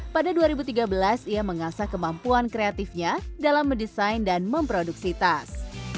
pada dua ribu tiga belas ia mengasah kemampuan kreatifnya dalam mendesain dan memproduksi tas